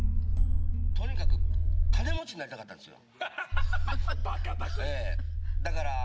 とにかく金持ちになりたかったんですよ。